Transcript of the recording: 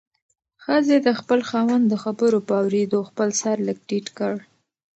ښځې د خپل خاوند د خبرو په اورېدو خپل سر لږ ټیټ کړ.